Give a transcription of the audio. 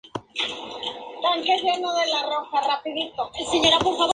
La "saga Orkneyinga" cita a los dos hermanos.